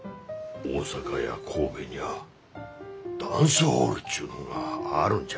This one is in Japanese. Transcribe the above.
大阪や神戸にゃあダンスホールちゅうのんがあるんじゃ。